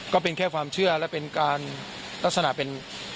ก็เป็นแค่ความเชื่อและเป็นการลักษณะเป็น